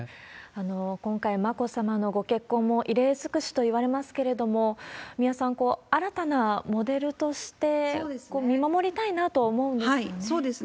今回、眞子さまのご結婚も異例尽くしといわれますけれども、三輪さん、新たなモデルとして見守りたいなと思うんですよね。